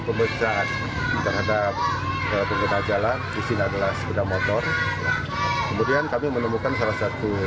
pemeriksaan terhadap pengguna jalan disini adalah sepeda motor kemudian kami menemukan salah satu